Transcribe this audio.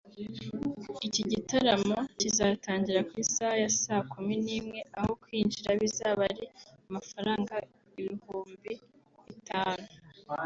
Iki gitaramo kizatangira ku isaha ya saa kumi n’imwe aho kwinjira bizaba ari amafaranga ibihumbi bitanu